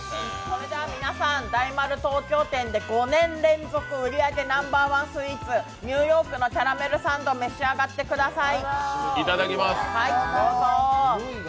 大丸東京店で５年連続売り上げナンバーワンスイーツニューヨークのキャラメルサンドを召し上がってください。